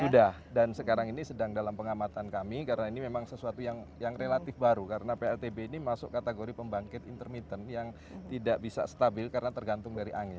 sudah dan sekarang ini sedang dalam pengamatan kami karena ini memang sesuatu yang relatif baru karena pltb ini masuk kategori pembangkit intermittent yang tidak bisa stabil karena tergantung dari angin